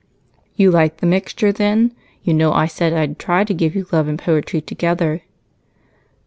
"You like the mixture, then? You know I said I'd try to give you love and poetry together."